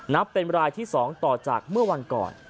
เป็นรายที่๒ต่อจากเมื่อวันก่อน